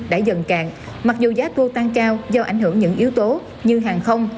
đã dần cạn mặc dù giá tour tăng cao do ảnh hưởng những yếu tố như hàng không